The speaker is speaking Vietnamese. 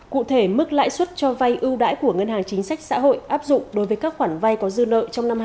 cụ thể mức lãi suất cho vai ưu đãi của ngân hàng chính sách xã hội áp dụng đối với các khoản vai có dư nợ